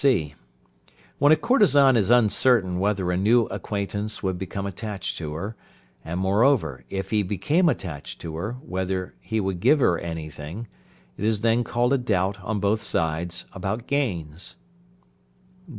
(c). When a courtesan is uncertain whether a new acquaintance would become attached to her, and, moreover, if he became attached to her, whether he would give her any thing, it is then called a doubt on both sides about gains.